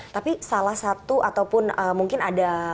tapi salah satu ataupun mungkin ada